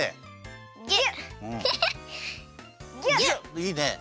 いいね。